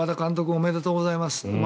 おめでとうございます。